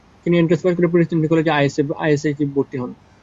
তিনি এন্ট্রান্স পাশ করে প্রেসিডেন্সি কলেজে আই.এসসি তে ভর্তি হন।